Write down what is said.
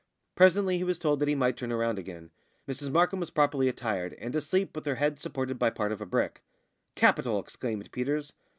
Presently he was told that he might turn round again; Mrs Markham was properly attired, and asleep, with her head supported by part of a brick. "Capital!" exclaimed Peters.